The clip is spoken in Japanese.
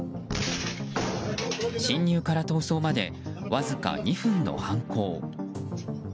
侵入から逃走までわずか２分の犯行。